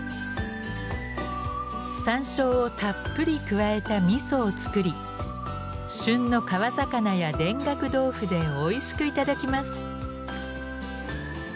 山椒をたっぷり加えたみそを作り旬の川魚や田楽豆腐でおいしく頂きます。